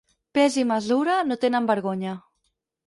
Pes i mesura no tenen vergonya.